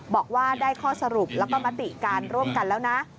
บอกว่าได้ข้อสรุปแล้วก็มติการร่วมกันแล้วนะ